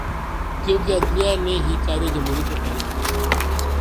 کیونکہ عدلیہ نے ہی قائد جمہوریت کو فارغ کیا۔